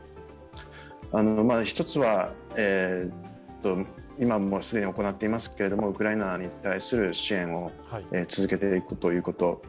１つは、今、既に行っていますけれども、ウクライナに対する支援を続けていくということ。